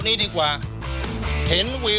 อาหารนี้บรรยากาศช่างดีหรือเกิน